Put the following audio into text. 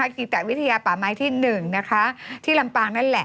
กีตะวิทยาป่าไม้ที่๑นะคะที่ลำปางนั่นแหละ